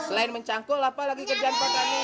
selain mencangkul apa lagi kerjaan pak tani